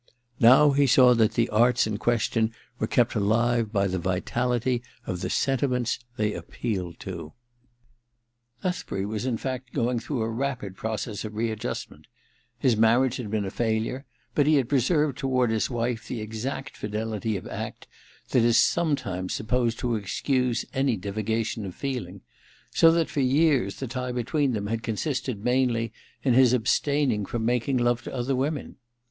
Now he saw that the arts in question were kept alive by the vitality of the sentiments they appealed to. Lethbury was in fact going through a rapid process of readjustment. His marriage had been a failure, but he had preserved toward his wife the exact fidelity of act that is sometimes sup posed to excuse any divagation of feeling ; so that, for years, the tie between them had con sisted mainly in his abstaining from making love to other women.